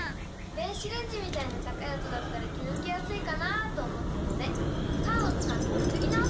電子レンジみたいな高い音だったら気付きやすいかなと思ったのでカンをつかって作り直してみました！